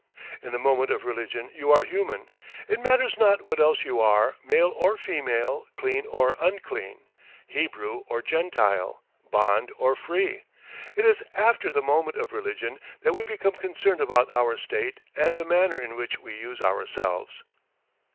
In the moment of religion you are human; it matters not what else you are, male or female, clean or unclean, Hebrew or Gentile, bond or free. It is AFTER the moment of religion that we become concerned about our state and the manner in which we use ourselves.